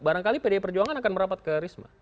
barangkali pdi perjuangan akan merapat ke risma